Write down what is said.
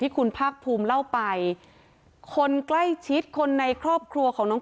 คุณภาคภูมิเล่าไปคนใกล้ชิดคนในครอบครัวของน้อง